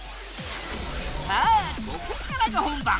さあここからが本番！